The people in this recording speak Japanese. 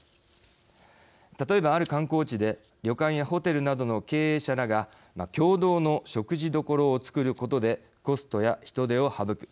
例えば、ある観光地で旅館やホテルなどの経営者らが共同の食事処を作ることでコストや人手を省く。